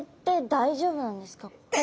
大丈夫なんです。